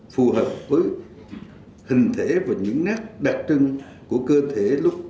phù hợp với hình thể và những nát đặc trưng của cơ thể